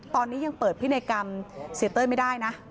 ตอนนี้ยังเปิดพินัยกรรมเสียเต้ยไม่ได้นะ